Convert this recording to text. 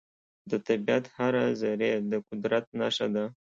د طبیعت هره ذرې د قدرت نښه ده.